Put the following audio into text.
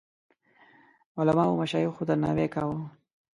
د علماوو او مشایخو درناوی کاوه.